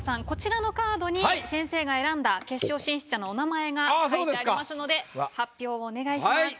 こちらのカードに先生が選んだ決勝進出者のお名前が書いてありますので発表をお願いします。